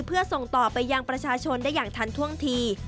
เพื่อส่งต่อไปยังประชาชนได้อย่างทันท่วงที